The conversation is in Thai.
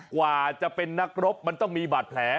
กว่าจะเป็นนักรบมันต้องมีบาดแผล